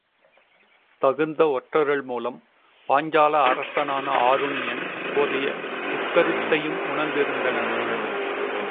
தகுந்த ஒற்றர்கள் மூலம், பாஞ்சால அரசனான ஆருணியின் அப்போதைய உட்கருத்தைம் உணர்ந்திருந்தனர்.